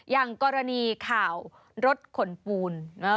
อย่างกรณีข่าวรถขนปูน